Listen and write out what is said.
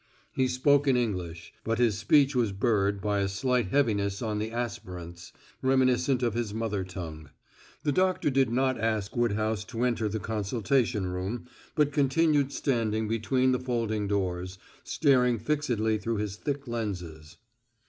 He spoke in English, but his speech was burred by a slight heaviness on the aspirants, reminiscent of his mother tongue. The doctor did not ask Woodhouse to enter the consultation room, but continued standing between the folding doors, staring fixedly through his thick lenses.